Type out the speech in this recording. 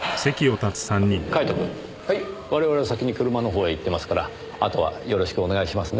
カイトくん我々は先に車の方へ行ってますからあとはよろしくお願いしますね。